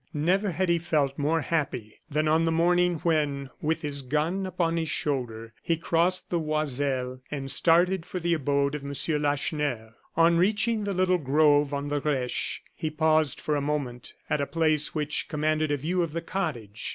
Never had he felt more happy than on the morning when, with his gun upon his shoulder, he crossed the Oiselle and started for the abode of M. Lacheneur. On reaching the little grove on the Reche, he paused for a moment at a place which commanded a view of the cottage.